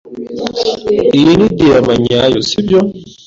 Iyi ni diyama nyayo, sibyo?